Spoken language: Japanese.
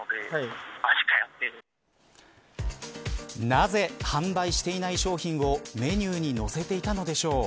なぜ販売していない商品をメニューに載せていたのでしょう。